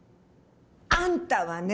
あんたはね